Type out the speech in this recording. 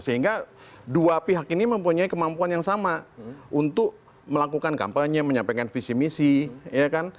sehingga dua pihak ini mempunyai kemampuan yang sama untuk melakukan kampanye menyampaikan visi misi ya kan